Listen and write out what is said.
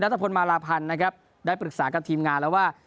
ตะพลมาลาพันธ์นะครับได้ปรึกษากับทีมงานแล้วว่า